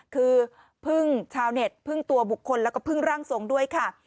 คือพึ่งชาวเน็ตพึ่งตัวบุคคลแล้วก็พึ่งร่างทรงด้วยค่ะ